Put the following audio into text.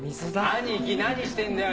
兄貴何してんだよ